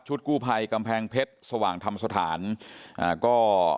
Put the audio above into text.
กู้ภัยกำแพงเพชรสว่างธรรมสถานอ่าก็